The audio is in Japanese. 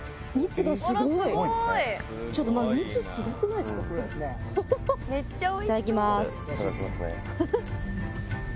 いただきます。